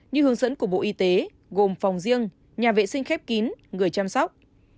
như hướng dẫn của bộ y tế gồm phòng riêng nhà vệ sinh khép kín người chăm sóc